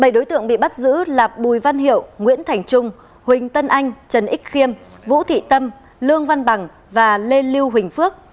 bảy đối tượng bị bắt giữ là bùi văn hiệu nguyễn thành trung huỳnh tân anh trần ích khiêm vũ thị tâm lương văn bằng và lê lưu huỳnh phước